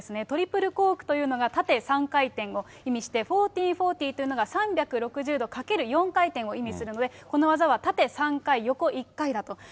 トリプルコークというのが縦３回転を意味して、１４４０というのが、３６０度×４回転を意味するので、この技は縦３回、横１回だと。